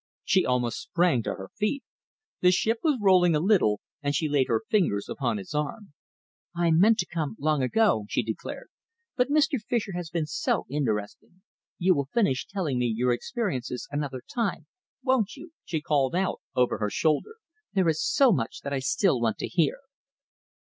She almost sprang to her feet. The ship was rolling a little, and she laid her fingers upon his arm. "I meant to come long ago," she declared, "but Mr. Fischer has been so interesting. You will finish telling me your experiences another time, won't you?" she called out over her shoulder. "There is so much that I still want to hear."